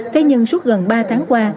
thế nhưng suốt gần ba tháng qua